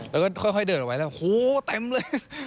แล้วก็ค่อยเดินออกไปแล้วโหเต็มเลย